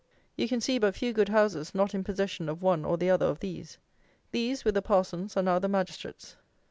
You can see but few good houses not in possession of one or the other of these. These, with the Parsons, are now the magistrates.